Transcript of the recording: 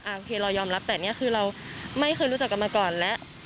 โอเคเรายอมรับแต่นี่คือเราไม่เคยรู้จักกันมาก่อนแล้ว